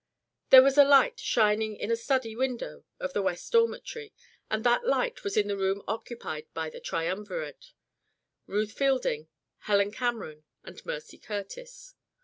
There was a light shining in a study window of the West Dormitory and that light was in the room occupied by the Triumvirate Ruth Fielding, Helen Cameron and Mercy Curtis.